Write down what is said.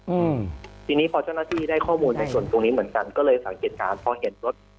อืมทีนี้พอเจ้าหน้าที่ได้ข้อมูลในส่วนตรงนี้เหมือนกันก็เลยสังเกตการณ์พอเห็นรถ